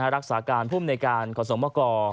รักษาการภูมิในการขอสมกร